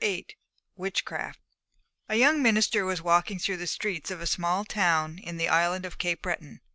VIII WITCHCRAFT A young minister was walking through the streets of a small town in the island of Cape Breton.